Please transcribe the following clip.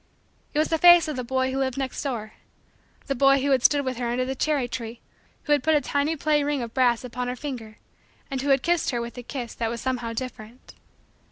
It was the face of the boy who lived next door the boy who had stood with her under the cherry tree; who had put a tiny play ring of brass upon her finger; and who had kissed her with a kiss that was somehow different.